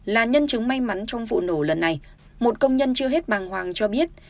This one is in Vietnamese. là nhân chứng may mắn trong vụ nổ lần này một công nhân chưa hết bàng hoàng cho biết